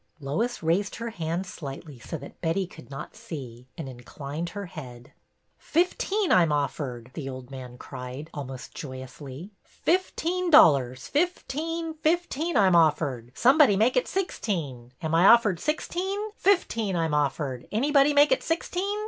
Lois raised her hand slightly, so that Betty could not see, and inclined her head. " Fifteen I 'm offered," the old man cried, almost joyously. " Fifteen dollars, fifteen, fif teen I 'm offered. Somebody make it sixteen ! THE AUCTION 145 Am I offered sixteen? Fifteen I'm offered! Anybody make it sixteen